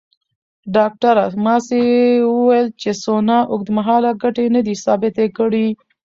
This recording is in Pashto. ډاکټره ماسي وویل چې سونا اوږدمهاله ګټې ندي ثابته کړې.